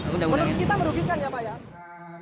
menurut kita merugikan ya pak ya